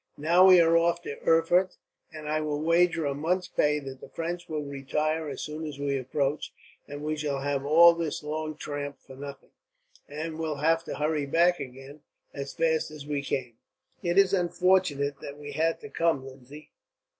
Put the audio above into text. Now we are off to Erfurt, and I will wager a month's pay that the French will retire, as soon as we approach; and we shall have all this long tramp for nothing, and will have to hurry back again, as fast as we came." "It is unfortunate that we had to come, Lindsay.